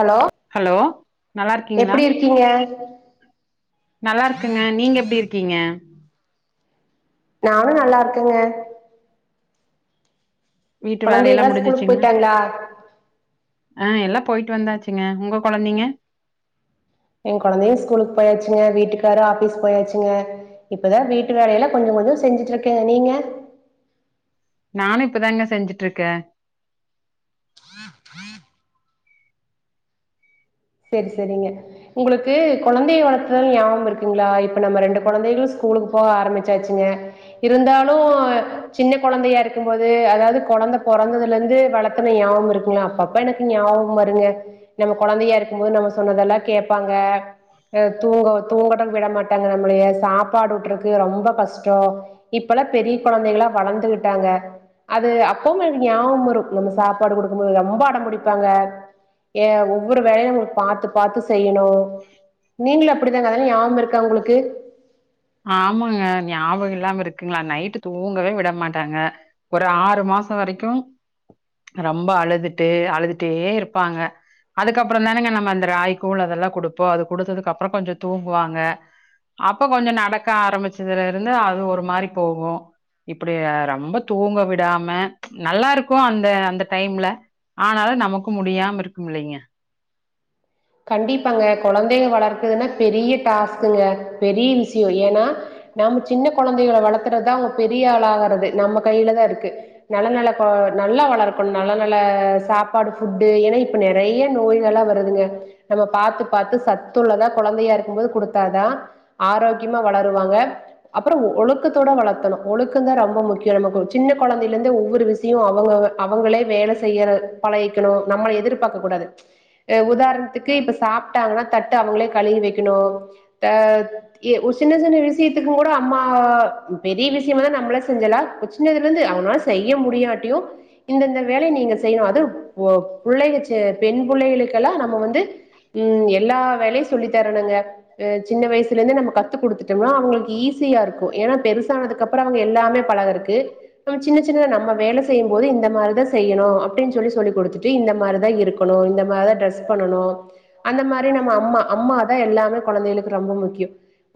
Hello hello நல்லாருக்கீங்ளா எப்டி இருக்கீங்க நல்லாருக்கங்க நீங்க எப்டி இருக்கீங்க நானு நல்லாருக்கெங்க வீட்டு வேலையெல்லா கொழந்தைகளா ஸ்கூலுக்கு முடிஞ்சிச்சுங்ளா போயிட்டாங்களா ஆ எல்லா போய்ட்டு வந்தாச்சுங்க உங்க கொழந்திங்க எ கொழந்தியு ஸ்கூலுக் போயாச்சுங்க வீட்டுக்காரு ஆபீஸ் போயாச்சுங்க இப்பதா வீட்டு வேலையெல்லா கொஞ்சு கொஞ்சு செஞ்சுட்ருக்கங்க நீங்க நானு இப்பதாங்க செஞ்சுட்ருக்கே செரி செரிங்க உங்களுக்கு கொழந்தைய வளத்தல் ஞாபம் இருக்குங்ளா இப்ப நம்ம ரெண்டு கொழந்தைகளு ஸ்கூலுக்கு போக ஆரம்பிச்சாச்சுங்க இருந்தாலு சின்ன கொழந்தையா இருக்கும்போது அதாவது கொழந்த பொறந்ததுலந்து வள ததுஞாபம் இருக்கங்ளா அப்பப்ப எனக்கு ஞாவகோ வருங்க நம்ம கொழந்தையா இரு க்கும்போத் நம்ம சொன்னதெல்லா கேப்பாங்க அ தூங்க தூங்கட்டுன் விட மாட்டாங்க நம்மளய சாப் பாடு ஊட்றக்கு ரொம்ப கஷ்டோ இப்பல்லா பெரி கொழந்தைகளா வளந்துகிட்டாங்க அது அப்பவு எனக் ஞாபம் வரு நம்ம சாப்பாடு கொடுக்கும்போது ரொம்ப அடம் புடிப்பாங்க ஏ ஒவ்வொரு வேலவு பாத்து பாத்து செய்யணு நீங்களு அப்டித்தான அதெல்லா ஞாபம் இருக்க உங்களுக்கு ஆமாங்க ஞாபகம் இல்லாம இருக்குங்ளா நைட்டு தூங்கவே விட மாட்டாங்க ஒரு ஆறு மாச வரைக்கு ரொம்ப அழுதுட்டு அழுதுட்டே இருப்பாங்க அதுக்கப்றோதானேங்க நம்ம அந்த ராகி கூழ் அதெல்லா குடுப்போ அது குடுத்ததுக்கு அப்றோ கொஞ்சோ தூங்குவாங்க அப்ப கொஞ்ச நடக்க ஆரம்பிச்சதுல இருந்து அது ஒரு மாரி போகு இப்டி ரம்ப தூங்க விடாம நல்லா இருக்கு அந்த அந்த டைம்ல ஆனாலு நமக்கு முடியாம இருக்குமில்லைங்க கண்டிப்பாங்க குழந்தைங்க வளர்க்கதுன்னா பெரிய டாஸ்க்குங்க பெரிய விஷ்யோ ஏனா நாம சின்ன கொழந்தைகள வளத்துறதுதா அவுங்க பெரிய ஆளா ஆகறது நம்ம கையில தா இருக்கு நல்ல நல்ல கொ நல்லா வளர்க்கணு நல்ல நல்ல சாப்பாடு ஃபுட்டு ஏனா இ இப்ப நெறைய நோய்கள்லா வருதுங்க நம்ம பாத்து பாத்து சத்துள்ளதா கொழந்தையா இருக்கும்போது குடுத்தாதா ஆரோக்கியமா வளருவாங்க அப்றோ ஒழுக்கத்தோட வளத்தணு ஒழுக்கந்தா ரொம்ப முக்கியோ நமக்கு சின்ன கொழந்தைல இருந்தே ஒவ்வொரு விஷி த்தியு அவங்க அவங்களே வேல செய்ற பழகிக்கணு நம்மள எதிர்பாக்கக் கூடாது உதாரணத்துக்கு இப்ப சாப்ட்டாங்கன்னா தட்ட அவங்களே கழுவி வைக்கணு த எ ஒரு சின்ன சின்ன விஷயத்துக்கு கூட அம்மாவ பெரிய விஷ்யமாந்தா நம்ளே செஞ்சலா ஒரு சின்னதுலந்து அவனால செய்ய முடியா டியு இந்த இந்த வேலைய நீங்க செய்ணு அது போ புள்ளைகங்க பெண் புள்ளைகளுக்கெல்லா நம்ம வந்து ம் எல்லா வேலையு சொல்லி தரனுங்க எ சின்ன வயசுலேந்தே நம்ம கத் த்து குடுத்துட்டோம்னா அவங்களுக்கு ஈஸியா இருக்கு ஏனா பெருசானதுக்கு அப்றோ அவங்க எல்லாமே பழகறக்கு நம்ம சின்ன சின்னதா நம்ம வேல செய்யு போது இந்த மாரிதா செய்யணு அப்டின்னு சொல்லி சொல்லிக்குடுத்துட்டு இந்த மாரிதா இருக் குணு இந்த மாரி தா ட்ரெஸ் பண்ணணு அந்த மாரி நம்ம அம்மா அம்மாதா எல்லாமே கொழந்தைகளுக்கு ரொம்ப முக்கியோ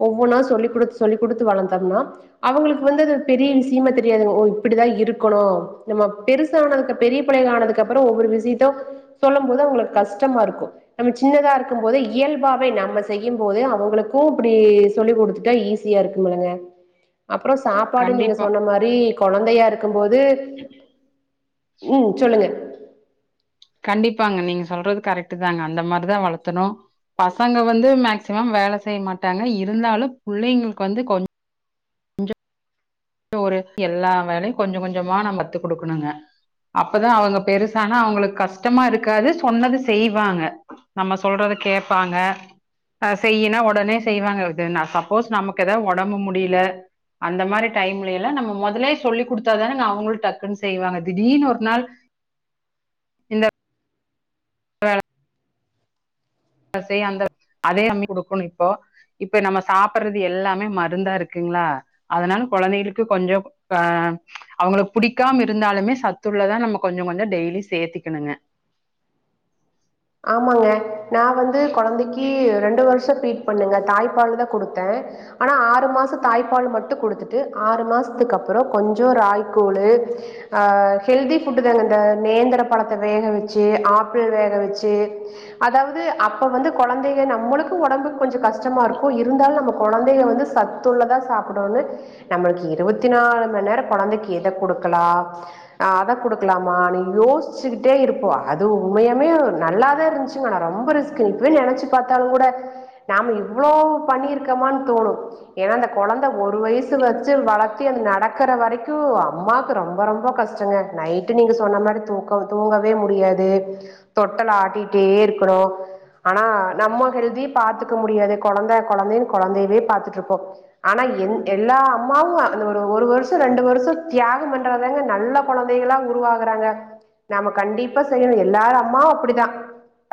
ஒவ்வொன்னா சொல்லி குடுத்து சொல்லி குடுத்து வளந்தோம்னா அவங்களுக்கு வந்து அது பெரிய விஷயமா தெரியாதுங்க ஓ இப்டிதா இருக்கணு நம்ம பெருசா ஆனதுக்கு பெரிய பிள்ளை ஆனதுக்கு அப்றோ ஒவ்வொரு விஷ்யத்தோ சொல்லு போது அவங்களுக்கு கஷ்டமா இருக்கு நம்ம சின்னதா இருக்கும் போதே இயல்பாவே நம்ம செய்யும் போதே அவங்களுக்கு இப்டி சொல்லி குடுத்துட்டா ஈஸ் சியா இருக்குமில்லங்க அப்றோ சாப்பாடு நீங்க கண்டிப்பா சொன்ன மாரி கொழந்தையா இருக்கு போது ம் சொல்லுங்க கண்டிப்பாங்க நீங்க சொல்றது கரெக்ட்டு தாங்க அந்த மாரிதா வளத்தணு பசங்க வந்து மேக்சிமம் வேல செய்ய மாட்டாங்க இருந்தாலு புள்ளைங்களுக்கு வந்து கொஞ் ஒரு எல்லா வேலையு கொஞ்ச கொஞ்சமா நம்ப கத்து குடுக்கணுங்க அப்பதா அவங்க பெருசானா அவங்களுக்கு கஷ்டமா இருக்காது சொன்னது செய்வாங்க நம்ம சொல்றது கேட்பாங்க அ செய்னா உடனே செய்வாங்க இதுனா சப்போஸ் நமக்கு எதாவது ஒடம்பு முடில அந்த மாரி டைம்லேல நம்ம முதலே சொல்லி குடுத்தாதானேங்க அவங்களுக்கு டக்குன்னு செய்வாங்க திடீனு ஒரு நாள் இந்த [unintelligible] வேல செய் அந்த வே அதே அம்மி குடுக்கணு இப்போ இப்ப நம்ம சாப்றது எல்லாமே மருந்தா இருக்குங்ளா அதனால கொழந்தைளுக்கு கொஞ்சோ அ அவுங்குளுக் புடிக்காம இருந்தாலுமே சத்துல்லதா நம்ம கொஞ்சொ கொஞ்சொ டெய்லி சேத்திக்கணுங்க. ஆமாங்க நா வந்து கொழந்தைக் கி ரெண்டு வருஷோ ஃபீட் பண்ணங்க தாய்ப்பால் தா குடுத்தே. ஆனா ஆறு மாச தாய்ப்பால் மட்டு குடுத்துட்டு ஆறு மாசத்துக்கு அப்புறோ கொஞ்சோ ராகி கூழு அ ஹெல்தி ஃபுட்தாங்க இந்த நேந்திர பழத்த வேக வெச்சி ஆப்பிள் வேக வெச் சி அதாவது அப்ப வந்து கொழந்தைக நம்மளுக்கு ஒடம்புக் கொஞ்சொ கஷ்டமாருக்கு. இருந்தாலு நம்ம கொழந்தைக வந்து சத் துள்ளதா சாப்டோனு நம்மளுக்கு இருவத்தி நாலு மண் நேரோ கொழந்தைக் எத குடுக்கலா அ அத குடுக்கலாமானு யோசிச்சுக்கிட்டே இருப்போ அது உண்மையாமே நல்லாதா இருஞ்ச்சுங்க ஆனா ரொம்ப ரிஸ்க்கு இப்வே நெனைச்சு பாத்தாலுங் கூட நாம இவ்ளோ பண்ணிருக்கமான் தோணு. ஏனா அந்த கொழந்த ஒரு வய்சு வச்சு வளத்தி அது நடக்கற வரைக்குவ் அம்மாக்கு ரொம்பொ ரொம்பொ கஷ் டங்க நைட்டு நீங்க சொன்ன மாரி தூக்கோ தூங்கவே முடியாது. தொட்டல் ஆட்டிட்டே இருக்கணு. ஆனா நம்ம ஹெல்தியு பாத்துக்க முடியாது கொழந்த கொழந்தினு கொழந்தைவே பாத்துட்ருப்போ. ஆனா எந் எல்லா அம்மாவு அந்த ஒரு ஒரு வருஷோ ரெண்டு வருஷோ தியாகம் பண்றதாங்க நல்ல கொழந்தைகளா உருவாகறாங்க. நாம கண்டிப்பா செய்யணு எல்லார் அம்மாவு தா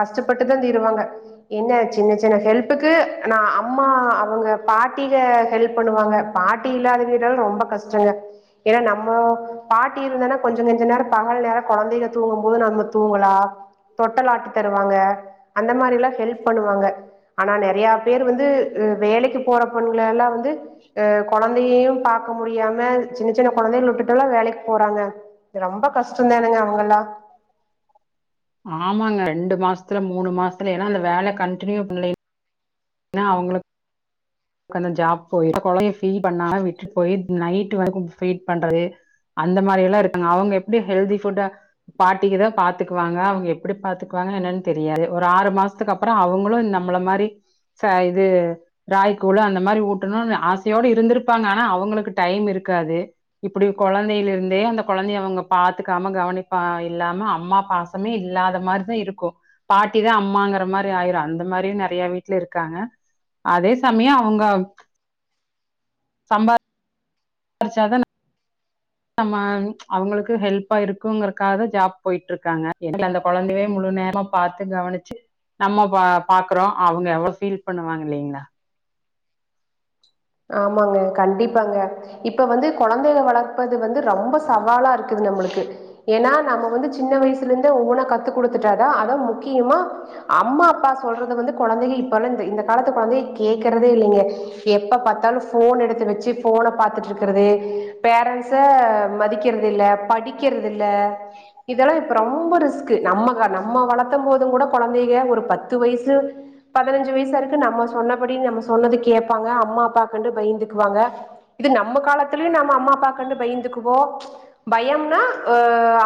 கஷ்டப்பட்டு தா தீருவாங்க. என்ன சின்ன சின்ன ஹெல்ப்புக்கு நா அ அம்மா அவுங்க பாட்டிக ஹெல்ப் பண்ணுவாங்க பாட்டி இல்லாத வீடல் ரொம்ப கஷ்டங்க. ஏனா நம்மோ பாட்டி இருந்தானா கொஞ்ச நஞ்ச நேரோ பகல் நேரோ கொழந்தைக தூங்கும் போது நம்ம தூங்கலா. தொட்டல் ஆட்டி தருவாங்க. அந்த மாரில்லா ஹெல்ப் பண்ணுவாங்க. ஆனா நெறையா பேரு வந்து அ வேலைக்கு போற பொண்கள எல்லா வந்து அ கொழந்தையையு பாக்க முடியாம சின்ன சின்ன கொழந்தைள உட்டுட்டல்லா வேலைக்கு போறாங்க. து ரொம்ப கஷ்டந்தானுங்க அவுங்கல்லா. ஆமாங்க ரெண்டு மாசத்துல மூணு மாசத்துல எல்லா அந்த வேல கண்டினியூ பண்லி னா அவுங்குளு கந்த ஜாப் போயிரு கொழந்தைய ஃபீ [inaudible] விட்டுட் போயி நைட்டு வரைக்கு ஃபீட் பண்றது. அந்த மாரி எல்லா இருக்காங்க. அவுங்க எப்டி ஹெல்தி ஃபுட்டா பாட்டிகதா பாத்துகுவாங்க அவுங்க எப்டி பாத்துக்குவாங்க என்னன் தெரியாது ஒரு ஆறு மாச சுக்கப்பறோ அவுங்களு நம்மள மாரி ச இது ராய கூழு அந்த மாரி ஊட்டணுன் ஆசையோடு இருந்திருப்பாங்க ஆனா அவங்களுக்கு டைம் இருக்காது இப்டி கொழந்தைல இருந்தே அந்த கொழந்தைய அவங்க பாத்துக்காம கவனிப்பா இல்லாம அம்மா பாச ஒன்னுமே இல்லாத மாரிதா இருக்கு பாட்டிதா அம்மாங்கிற மாரி ஆய்ரு அந்த மாரியு நெறய வீட்ல இருக்காங்க அதே கம்மியா அவுங்க சம்பா ரிச்சா தான நம்ம அவங்களுக்கு ஹெல்ப்பா இருக்குங்கறக்காக ஜாப் போய்ட்டு இருக்காங்க இல்ல அந்த கொழந்தைய முழு நேர பாத்து கவனிச்சு நம்ம பா பாக்குறோம் அவங்க எவ்ளோ ஃபீல் பண்ணுவாங்கல்லங்ளா ஆமாங்க கண்டிப்பாங்க இப்ப வந்து குழந்தைக வளர்ப்பது வந்து ரொம்ப சவாலா இருக்குது நம்மளுக்கு ஏனா நம்ம வந்து சின்ன வயசுல இருந்தே ஒவ்வொன்னா கத்து குடுத்துட்டாதா அத முக்கியமா அம்மா அப்பா சொல்றது வந்து கொழந்தைங்க இப்ப இந்த காலத்து கொழந்தைக கேக்கறதே இல்லைங்க எப்ப பாத்தா தாலு ஃபோன எடுத்து வச்சு ஃபோன பாத்துட்டு இருக்கறது பேரன்ஸ மதிக்கிறது இல்ல படிக் க்கிறதில்ல இதல்லா இப்ப ரொம்ப ரிஸ்க்கு நம்ம கா நம்ம வளர் த்தம் போதுங் கூட கொழந்தைக ஒரு பத்து வயசு பதினஞ்சு வயசு வரைக்கு நம்ம சொன்னபடி நம்ம சொன்னது கேப்பாங்க அம்மா அப்பா கண்டு பயந்துக்குவாங்க இது நம்ம காலத்திலயு நம்ம அம்மா அப்பா கண்டு பயந்துக்குவோ பயம்னா அ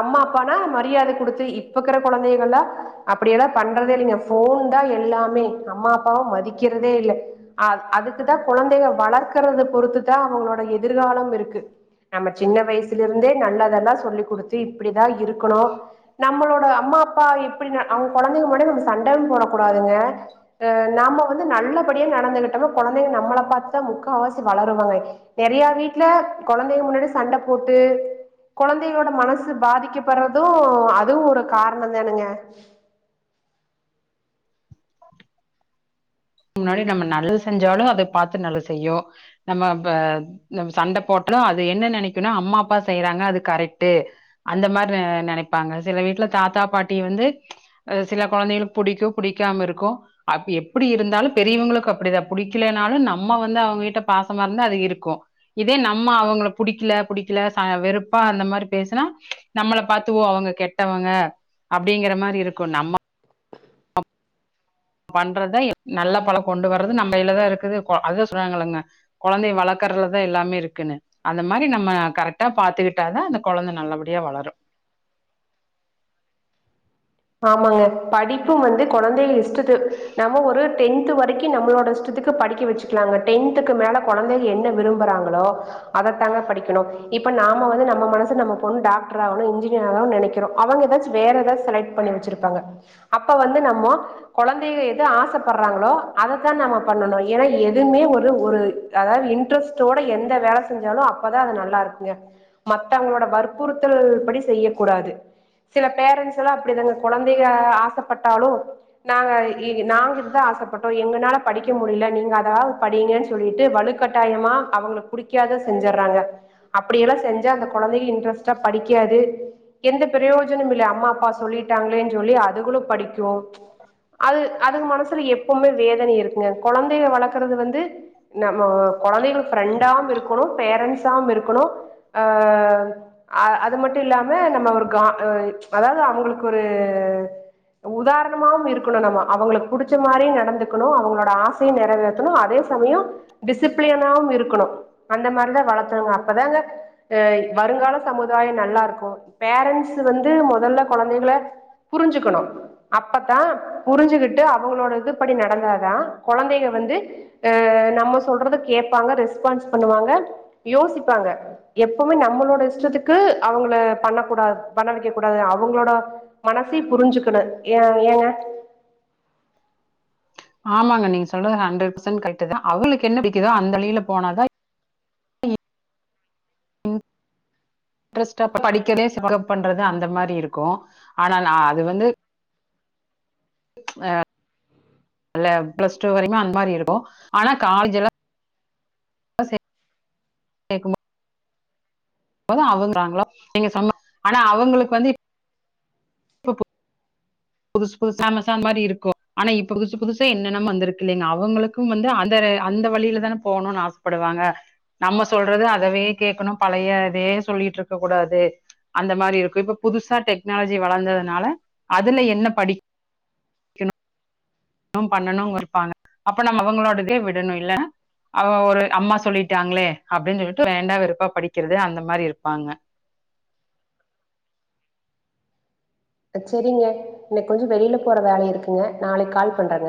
அம்மா அப்பானா மரியாத குடுத்து இப்பக்கிற கொழந்தைகல அப்படியெல்லா பண்றதே இல்லங்க ஃபோன்தா எல்லாமே அம்மா அப்பாவ மதிக்கிறதே இல்ல அ அதுக்குதா கொழந்தைக வளக்கறத பொறுத்துதா அவங்களோட எதிர்காலம் இருக்கு நம்ம சின்ன வயசுல இருந்தே நல்லதெல்லா சொல்லி குடுத்து இப்டிதா இருக்கணு நம்மளோட அம்மா அப்பா எப்டி ந நம்ம கொழந்தைங்க முன்னாடி நம்ம சண்டன் போட கூடாதுங்க நாம்ம வந்து நல்லபடியா நடந்துகிட் அந்த கொழந்தைங்க நம்மள பாத்து முக்காவாசி வளருவாங்க நெறயா வீட்ல கொழந்தைங்க முன்னாடி சண்ட போட்டு கொழந்தைகளோட மனசு பாதிக்கப்பட்றதூ அதுவு ஒரு காரணோ தானங்க முன்னாடி நம்ம நல்லது செஞ்சாலு அத பாத்து நல்லது செய்யு நம்ம இப்ப நம்ம சண்ட போட்டாலு அது என்ன நெனைக்குன்னா அம்மா அப்பா செய்றாங்க அது கரெக்டு அந்த மாரி நெனைப்பாங்க சில வீட்ல தாத்தா பாட்டி வந்து சில கொழந்தைகளுக்கு புடிக்கு புடிக்காம இருக்கு அ எப்டி இருந்தாலு பெரியவங்களுக்கு அப்டிதா புடிக்கலனாலு நம்ம வந்து அவங்க கிட்ட பாசமா இருந்தா அது இருக்கு இதே நம்ம அவங்கள புடிக்கல புடிக்கல வெறுப்பா அந்த மாரி பேசுனா நம்மள பாத்து ஓ அவுங்க கெட்டவங்க அப்டிங்கிற மாரி இருக்கு நம்ம பண்றத நல்ல பழ கொண்டு வர்றது நம்ம கைலதா இருக்குது அதா சொல்றாங்கல்லங்க கொழந்தய வளக்கறலதா எல்லாமே இருக்குன்னு அந்த மாரி நம்ம கரெக்டா பாத்துக்கிட்டாதா அந்த கொழந்த நல்லபடியா வளரு ஆமாங்க படிப்பு வந்து கொழந்தைக இஷ்டத்து நம்ம ஒரு டென்த் வரைக்கு நம்மளோட இஷ்டத்துக்கு படிக்க வச்சுக்கலாங்க டென்த்க்கு மேல கொழந்தைக என்ன விரும்புறாங்களோ அதத்தாங்க படிக்கணு இப்ப நாம வந்து நம்ம மனசு நம்ம பொண்ணு டாக்டராவனு இன்ஜினியரானு நெனைக் கிறோ அவங்க ஏதாச்சு வேற ஏதாவது செலக்ட் பண்ணி வச்சிருப்பாங்க அப்ப வந்து நம்மோ கொழந்தைக எது ஆசப்படுறாங்களோ அதத்தா நம்ம பண்ணணு ஏன்னா எதுவுமே ஒரு ஒரு அதாவது இன்ட்ரெஸ்டோட எந்த வேல செஞ்சாலு அப்பதா அது நல்லா இருக்குங்க மத்தவங்களோட வற்புறுத்தல் படி செய்யக் கூடாது சில பேரண்ட்ஸ் எல்லா அப்டிதாங்க கொழந்தைங்க ஆசப்பட்டாலு நாங்க இ நாங்க இத்தா ஆசப்பட்டோ எங்கனால படிக்க முடியில நீங்க அதா படிங்கன்னு சொல்லிட்டு வலுக்கட்டாயமா அவங்களுக்கு புடிக்காத செஞ்சர்றாங்க அப்டியெல்லா செஞ்சா அந்த கொழந்தைங்க இன்ட்ரெஸ்ட்டா படிக்காது எந்த ப்ரோயேஜனம் இல்ல அம்மா அப்பா ச் சொல்லிட்டாங்களேன்னு சொல்லி அதுகளு படிக்கு அது அதுங்க மனசுல எப்புமே வேதனை இருக்குங்க கொழந்தைய வளக்கறது வந்து நம்மோ கொழந்தைகளுக் ஃப்ரெண்டாவும் இருக்கோணு பேரண்ட்ஸாம் இருக்கணு. அ அ அது மட்டு இல்லாம நம்ம ஒரு கா அ அதாவ்து அவங்ளு க்கொரு உதாரணமாவும் இருக்குணு நம்ம அவங்களுக் புடிச்ச மாரியு நடந்துக்குணு அவுங்ளோட ஆஸ் சையு நெறவேத்தணு அதே சமயோ டிசிப்ளியன்னாவும் இருக்கணு. அந்த மாரிதா வளத்துனுங்க அப்பதாங்க [unintelligible] வருங்கால சமுதாய நல்லா இருக்கு பேரண்ட்ஸ் வந்து மொதல்ல கொழந்தை ல புரிஞ்சுக்கணு. அப்பத்தா புரிஞ்சுகிட்டு அவுங்களோட இதுபடி நடந்தாதா கொழந்தைக வந்து அ நம்ம சொல்றத கேப்பாங்க ரெஸ்பான்ஸ் பண்ணுவாங்க யோசிப்பாங்க. எப்புமே நம்மளோட இஷ்டத்துக்கு அவுங்கள பண்ணக்கூடா பண்ண வெக்கக்கூடாதுனு அவுங்ளோட மனசையு புரிஞ்சுக்கணு ஏ ஏங்க. ஆமாங்க நீங்க சொல்றது ஹண்ரட் பசன் கரெட்டுதா. [inaudible] என்ன [inaudible] அந்த வழில போனாதா ட்ரெஸ்ட்ட் [inaudible] பண்றது அந்த மாரி இருக்கு. ஆனா நா அது வந்து அ ல்ல ப்ளஸ் டூ வரைக்குமே அந மாரி இருக்கு ஆனா காஜல்லா அசெ கேக்குமோ பதா அவங்றாங்களா நீங்க சொன்ன ஆனா அவங்களுக்கு வந்திப் புதுஸ் புதுஸ் அமேசான் மாரி இருக்கு ஆனா இப் புதுசு புதுசே என்னென்னம் வந்திருக் இல்லைங்க அவுங்களுக் ஹும் வந்து அந்தரு அந்த வழியில தான போணுன் ஆஸ்ப்படுவாங்க நம்ம சொல்றது அதவே கேக்கணு பழைய இதே சொல்லிட்ருக்கக்கூடாது அந்த மாரி இருக்கு இப்ப புதுசா டெக்னாலஜி வளந்ததுனால அதெல்ல என்ன படி உம் பண்ணணு இருப்பாங்க அப்ப நம்ம அவுங்களோட இதே விடணு இல்ல அவ ஒரு அம்மா சொல்லிட்டாங்ளே அப்டின்னு விட்டு வேண்டா வெறுப்பா படிக்கிறது அந்த மாரி இருப்பாங்க அ ச்சரிங்க இன்னைக் கொஞ்சோ வெளில போற வேல இருக்குங்க நாளைக் கால் பண்றங்க